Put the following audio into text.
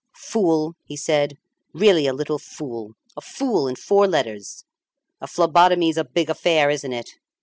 "Fool!" he said, "really a little fool! A fool in four letters! A phlebotomy's a big affair, isn't it!